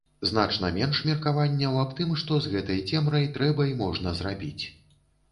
Значна менш меркаванняў аб тым, што з гэтай цемрай трэба і можна зрабіць.